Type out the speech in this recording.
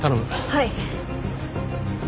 はい。